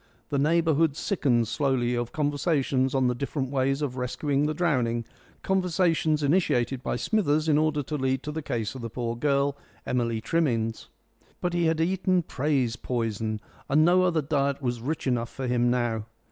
The neighbourhood sickened slowly of conversations on the different ways of rescuing the drowning conversations initiated by Smithers in order to lead to the case of the poor girl, Emily Trimmins. But he had eaten praise poison, and no other diet was rich enough for him now.